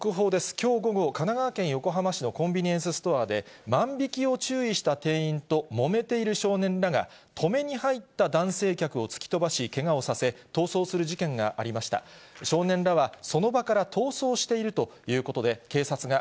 きょう午後、神奈川県横浜市のコンビニエンスストアで、万引きを注意した店員ともめている少年らが、止めに入った男性客を突き飛ばし、けがをさせ、逃走する事件があり以上、きょうコレをお伝えしました。